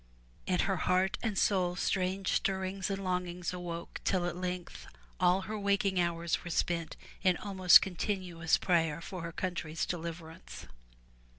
In her heart and soul strange stir rings and longings awoke till at length all her waking hours were spent in almost continuous prayer for her country's deliverance.